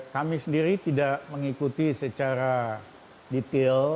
kami sendiri tidak mengikuti secara detail